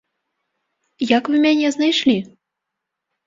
Як вы мяне знайшлі?